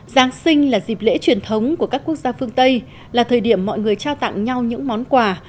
giáng sinh là dịp lễ truyền thống của các quốc gia phương tây là thời điểm mọi người trao tặng nhau những món quà